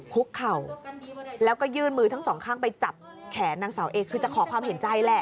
คุกเข่าแล้วก็ยื่นมือทั้งสองข้างไปจับแขนนางสาวเอคือจะขอความเห็นใจแหละ